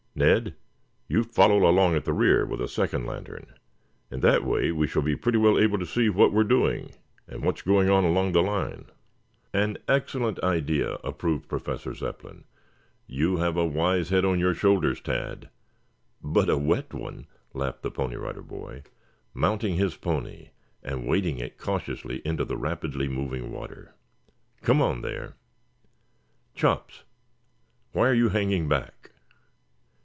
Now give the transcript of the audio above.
Ned, you follow along at the rear with a second lantern. In that way we shall be pretty well able to see what we are doing and what is going on along the line." "An excellent idea," approved Professor Zepplin. "You have a wise head on your shoulders, Tad." "But a wet one," laughed the Pony Rider Boy, mounting his pony and wading it cautiously into the rapidly moving water. "Come on there, Chops. Why are you hanging back?"